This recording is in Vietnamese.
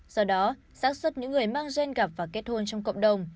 do đó sát xuất những người mang gen gặp và kết hôn trong cộng đồng